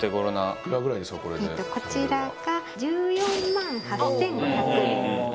こちらが１４万８５００円